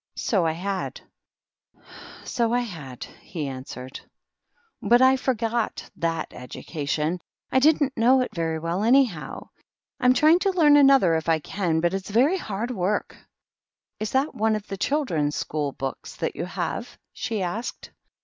" So I had ! so I had !" he answered. " But I forgot that education. I didn't know it very well, anyhow. I'm trying to learn another if I can, but it's very hard work." " Is that one of the children's school books that you have?" she asked.